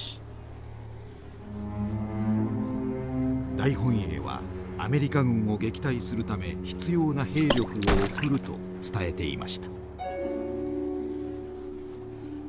大本営はアメリカ軍を撃退するため必要な兵力を送ると伝えていました。